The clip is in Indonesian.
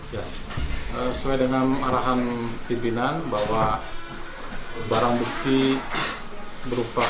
ya sesuai dengan arahan pimpinan bahwa barang bukti berupa